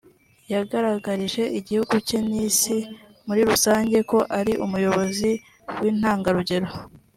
yagaragarije igihugu cye n’Isi muri rusange ko ari umuyobozi w’intangarugero